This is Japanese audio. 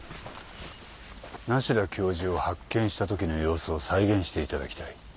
梨多教授を発見したときの様子を再現していただきたい。